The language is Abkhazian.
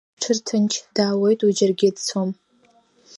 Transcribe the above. Бҽырҭынч, даауеит уи џьаргьы дцом…